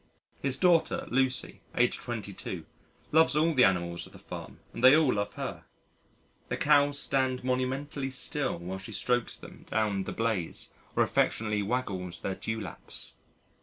His daughter Lucy, aged 22, loves all the animals of the farm and they all love her; the Cows stand monumentally still while she strokes them down the blaze or affectionately waggles their dewlaps.